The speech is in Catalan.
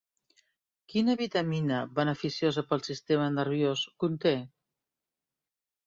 Quina vitamina, beneficiosa pel sistema nerviós, conté?